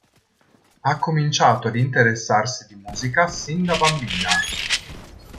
Ha cominciato ad interessarsi di musica sin da bambina.